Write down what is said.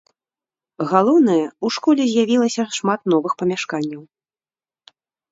Галоўнае, у школе з'явілася шмат новых памяшканняў.